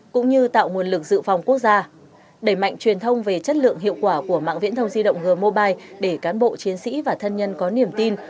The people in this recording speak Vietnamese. cũng như tạo nguồn lực dự phòng quốc gia đẩy mạnh truyền thông về chất lượng hiệu quả của mạng viễn thông di động g mobile để cán bộ chiến sĩ và thân nhân có niềm tin